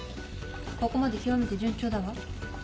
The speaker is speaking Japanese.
ここまで極めて順調だわ。